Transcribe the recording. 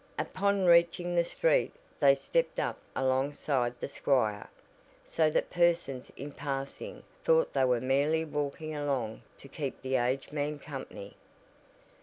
Upon reaching the street they stepped up along side the squire, so that persons in passing thought they were merely walking along to keep the aged man company.